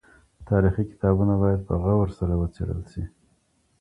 تاريخي کتابونه بايد په غور سره وڅېړل سي.